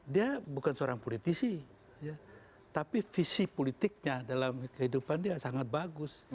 dia bukan seorang politisi tapi visi politiknya dalam kehidupan dia sangat bagus